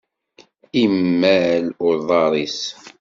Imal uḍar-is.